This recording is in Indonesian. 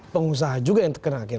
pengusaha juga yang terkena akhirnya